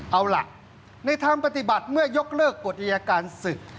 เอาล่ะในทางปฏิบัติเมื่อยกเลิกกฎอายการศึก